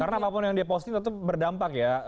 karena apapun yang dia posting tentu berdampak ya